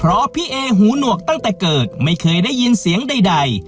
เพราะพี่เอหูหนวกตั้งแต่เกิดไม่เคยได้ยินเสียงใด